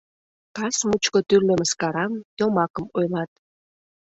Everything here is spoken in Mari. Кас мучко тӱрлӧ мыскарам, йомакым ойлат.